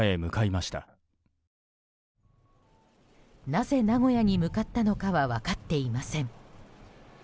なぜ名古屋に向かったのかは分かっていません。